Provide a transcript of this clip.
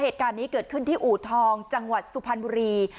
เหตุการณ์นี้เกิดขึ้นที่อู่ทองจังหวัดสุพรรณบุรี